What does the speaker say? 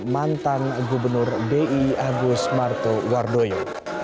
mantan gubernur bi agus martowardoyo